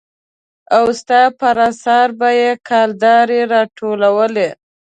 او ستا پر اثارو به يې کلدارې را ټولولې.